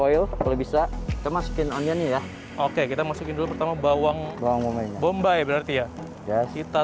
oil kalau bisa kita masukin onionnya ya oke kita masukin dulu pertama bawang bawang bombay bombay berarti ya ya kita